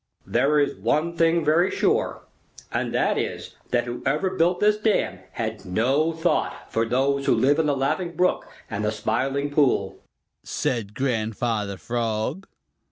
"There is one thing very sure, and that is that whoever built this dam had no thought for those who live in the Laughing Brook and the Smiling Pool," said Grandfather Frog.